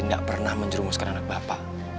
tidak pernah menjerumuskan anak bapak